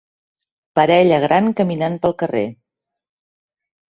Parella gran caminant pel carrer